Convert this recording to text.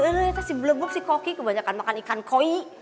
ele ele si koki kebanyakan makan ikan koi